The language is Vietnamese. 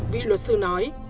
vị luật sư nói